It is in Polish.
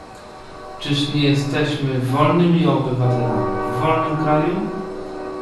"Czyż nie jesteśmy wolnymi obywatelami w wolnym kraju?"